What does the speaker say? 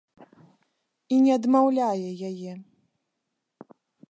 І не адмаўляе яе.